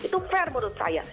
itu fair menurut saya